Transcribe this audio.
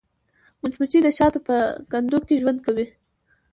مچمچۍ د شاتو په کندو کې ژوند کوي